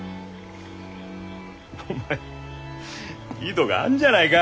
お前いいどごあんじゃないが。